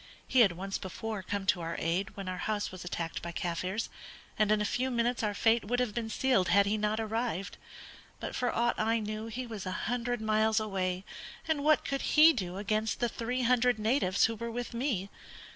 He had once before come to our aid when our house was attacked by Kaffirs, and in a few minutes our fate would have been sealed had he not arrived. But for aught I knew he was a hundred miles away, and what could he do against the three hundred natives who were with me?